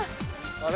あれ？